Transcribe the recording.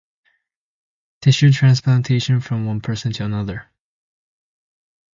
Tissue transplantation from one person to another.